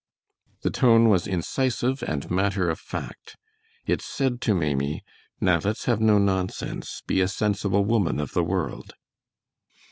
The tone was incisive and matter of fact. It said to Maimie, "Now let's have no nonsense. Be a sensible woman of the world."